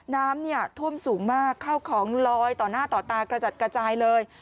น้ำท่วมสูงมากเข้าของลอยต่อหน้าต่อตากระจัดกระจายเลย